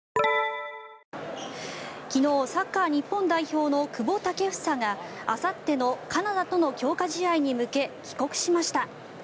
昨日、サッカー日本代表の久保建英があさってのカナダとの強化試合に向け帰国しました。